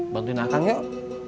bantuin akang yuk